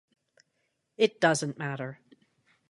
It doesn't matter.